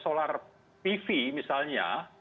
solar pv misalnya